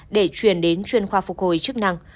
để chuyển đến chuyên khoa phục hồi chức năng